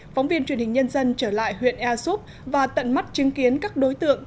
phóng viên truyền hình nhân dân trở lại huyện airsub và tận mắt chứng kiến các đối tượng